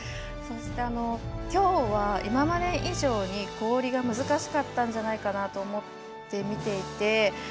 そして、きょうは今まで以上に氷が難しかったんじゃないかなと思って見ていて。